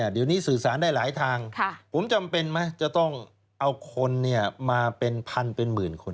เดี๋ยวนี้สื่อสารได้หลายทางผมจำเป็นไหมจะต้องเอาคนมาเป็นพันเป็นหมื่นคน